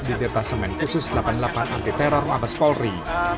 di detasemen khusus delapan puluh delapan anti teror abas polri